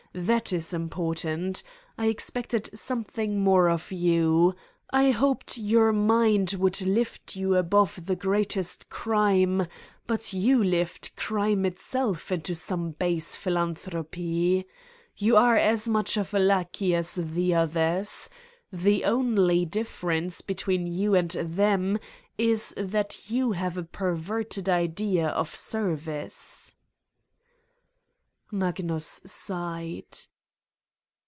That is important. I expected something more of you. I hoped your mind would lift you above the great est crime, but you lift crime itself into some base philanthropy. You are as much of a lackey as the others. The only difference between you and them is that you have a perverted idea of service!" Magnus sighed.